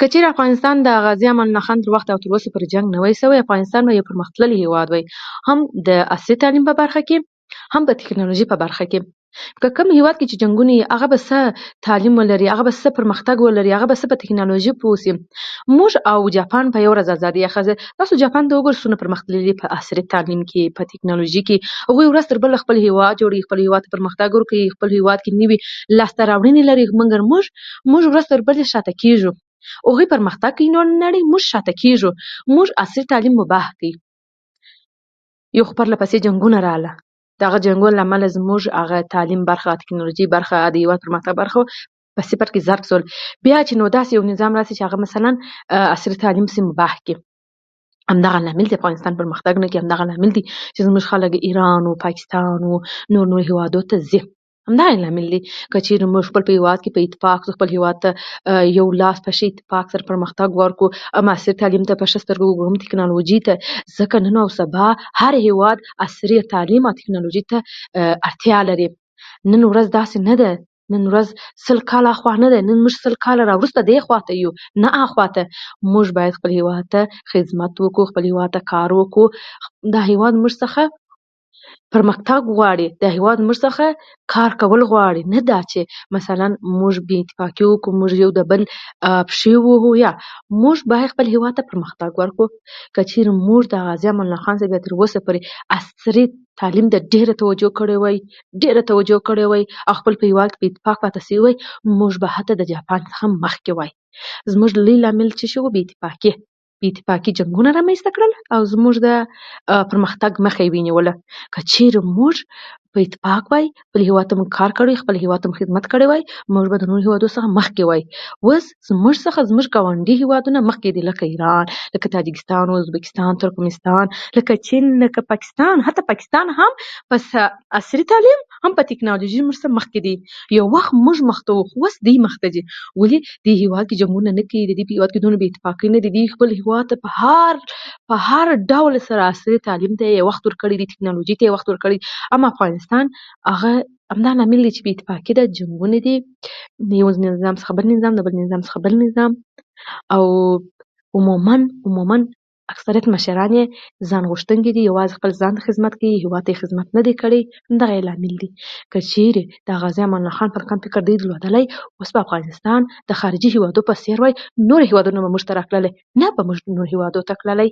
که چېري افغانستان د غازي امان الله په وخت او تراوسه پورې جنګ نه وای شوی، نو افغانستان به د نړۍ پرمختللی هېواد وای.عاصري تعليم په برخه کې، هم به د ټکنالوژۍ په برخه کې. که کوم هېواد کې جنګونه وي، هغه به څه تعليم ولري؟ هغه به څه پرمختګ ولري؟ هغه به صفر ټکنالوژيک اوسي. موژ او جاپان په يوه ورځ ازادي اخيستې ده. تاسو جاپان ته وګورئ، څومره پرمختللی دی، په عصري تعليم کې، په ټکنالوژۍ کې. هغوی ورځ تر بلې خپل هېواد جوړوي، خپل ته پرمختګ ورکوي، خپل هېواد کې نوې لاسته راوړنې لري، مګر موژ ورځ تر بلې شاته کېږو. مهم پرمختګ د نړۍ دی، نو موژ شاته کېږو. موژ د عصري تعليم په برخه کې يو پرله‌پسې جنګونه راغلل، د هغو جنګونو له امله موژ هغه تعليم برخه، ټکنالوژي برخه، هغه د هېواد پرمختګ برخه وه، په صفر کې ضرب شول. بيا چې نو داسې يو نظام راشي، هغه مثلاً د عصري تعليم پسې مباح کي، همدا هغه لامل د افغانستان د پرمختګ کې همدا لامل دی چې موژ خلک ايران نو، پاکستان نو او نورو هېوادونو ته ځي، همدا يې لامل دی. که چېري موژ خپل په هېواد کې په اتفاق خپل هېواد ته يو لاس شو، په اتفاق سره پرمختګ وکړو، عصري تعليم ته په ښه سترګه وګورو، ټکنالوژۍ ته، ځکه نن او سبا هر هېواد عصري تعليم او ټکنالوژۍ ته اړتيا لري. نن ورځ داسې نه ده، نن ورځ سل کاله اخوا نه ده، نن موژ سل کاله راوروسته را ديخواته يو، نه اخوا ته. موژ بايد خپل هېواد ته خزمت وکړو، خپل ته کار وکړو. دا هېواد له موژ څخه پرمختګ غواړي، دا هېواد له موژ څخه کار کول غواړي، نه دا چې مثلاً موژ بې‌اتفاقي وکړو، موژ د يو بل پښې ووهو. يا موژ بايد خپل هېواد ته پرمختګ ورکړو. که چېري موژ د غازي امان الله له وخته تراوسه پورې عصري تعليم ته ډېره توجه کړې وای، ډېره توجه مو کړې وای، او خپل په هېواد کې په اتفاق سره پاتې سوي وای، موژ به حتٰی د جاپان څخه مخکې وای. موژ لوی لامل چې څه و، بې‌اتفاقي وه. بې‌اتفاقۍ جنګونه رامنځته کړل او زموژ د پرمختګ مخ يې وينيوله. که چېري موژ په اتفاق وای، خپل هېواد ته مو کار کړی وای، خپل هېواد ته مو خدمت کړی وای، موژ به د نورو هېوادونو څخه مخکې وای. اوس له زموژ څخه زموژ ګاونډي هېوادونه مخکې دي، لکه ايران، لکه تاجکستان، ازبکستان، ترکمنستان، لکه چين، لکه پاکستان. حتٰی پاکستان هم په عصري تعليم او هم په ټکنالوژۍ زموژ څخه مخکې دی. يو وخت موژ مخته وو، هو اوس دوی مخته ځي. ولې؟ د دوی هېواد کې جنګونه نه کېږي، د دوی په هېواد کې دومره بې‌اتفاقي نه ده. دوی خپل هېواد ته په هر ډول په هر ډول سره وخت عصري تعليم ته يې وخت ورکړی، ټکنالوژۍ ته يې وخت ورکړی. اما افغانستان، هغه همدا لامل دی چې بې‌اتفاقي ده، جنګونه دي، د يو نظام څخه بل نظام، بل نظام څخه بل نظام. او عموماً، عموماً اکثريت مشران يې ځان غوژتونکي دي، يوازې خپل ځان ته خزمت کې، هېواد ته يې خزمت نه دی کړی. همدا يې لامل دی. که چېري د غازي امان الله په رقم دوی فکر درلودلی، اوس به افغانستان د خارجي هېوادونو په څېر وای. نور هېوادونه به موژ ته راتللی، نه به موژ نورو هېوادونو ته تللي.